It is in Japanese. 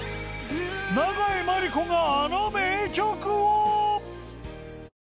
永井真理子があの名曲を！